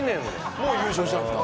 もう優勝したんですか？